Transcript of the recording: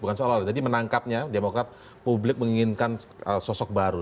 bukan seolah olah jadi menangkapnya demokrat publik menginginkan sosok baru